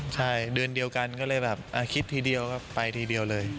ใช่เดือนเดียวกันก็เลยแบบคิดทีเดียวครับไปทีเดียวเลย